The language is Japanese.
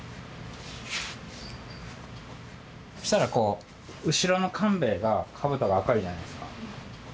そしたらこう後ろの官兵衛がかぶとが赤いじゃないですか。